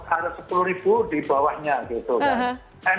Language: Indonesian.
ada sepuluh ribu di bawahnya gitu kan